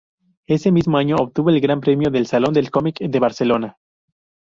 Ese mismo año, obtuvo el Gran Premio del Salón del Cómic de Barcelona.